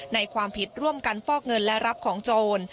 ความผิดร่วมกันฟอกเงินและรับของโจร